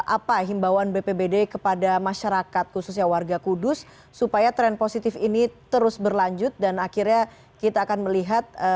apa himbauan bpbd kepada masyarakat khususnya warga kudus supaya tren positif ini terus berlanjut dan akhirnya kita akan melihat